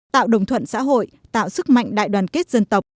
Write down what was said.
tạo đồng thuận xã hội tạo sức mạnh đại đoàn kết dân tộc